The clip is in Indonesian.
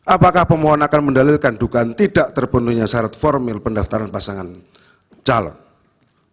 apakah pemohon akan mendalilkan dugaan tidak terpenuhi syarat formil pendaftaran pasangan calon presiden tahun dua ribu dua puluh empat